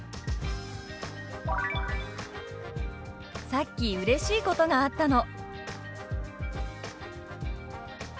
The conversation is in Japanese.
「さっきうれしいことがあったの」。